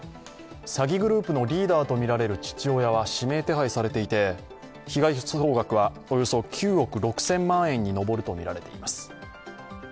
詐欺グループのリーダーとみられる父親は指名手配されていて、被害総額はおよそ９億６０００万円に上るとみられています。